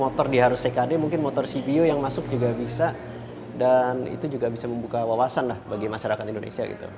motor dia harus ckd mungkin motor cpo yang masuk juga bisa dan itu juga bisa membuka wawasan lah bagi masyarakat indonesia gitu